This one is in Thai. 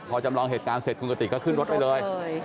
พอจำลองเหตุการณ์เสร็จคุณกติกก็ขึ้นรถไปเลย